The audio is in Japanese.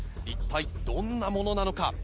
一体どんなものなのか？